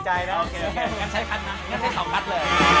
สวัสดีครับ